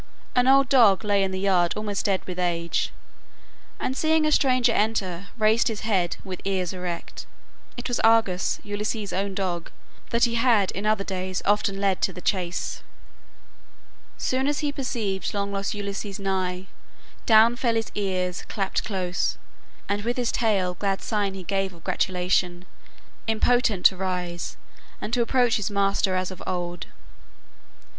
An old dog lay in the yard almost dead with age, and seeing a stranger enter, raised his head, with ears erect. It was Argus, Ulysses' own dog, that he had in other days often led to the chase. "... Soon as he perceived Long lost Ulysses nigh, down fell his ears Clapped close, and with his tail glad sign he gave Of gratulation, impotent to rise, And to approach his master as of old.